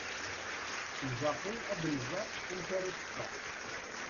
Lbaqi ad nẓer amek ara teffeɣ.